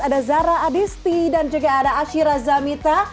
ada zara adisti dan juga ada ashira zamita